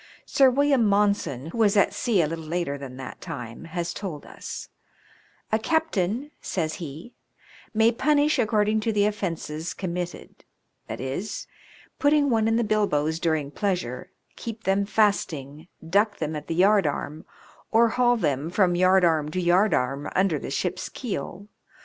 Sir William Monson, who was at sea a little later than that time, has told us : "A captain," says he, "may punish according to the offences com mitted, viz., putting one in the bilboes during pleasure, keep them fasting, duck them at the yardarm, or haul them from yardarm to yardarm under the ship's keel.